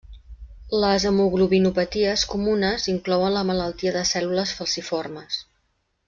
Les hemoglobinopaties comunes inclouen la malaltia de cèl·lules falciformes.